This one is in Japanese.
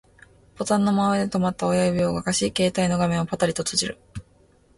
ボタンの真上で止まった親指を動かし、携帯の画面をパタリと閉じる